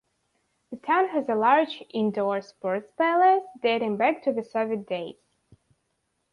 The town has a large indoor sports palace dating back to the Soviet days.